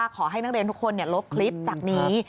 ขอให้นักเรียนลดคลิปจากนี้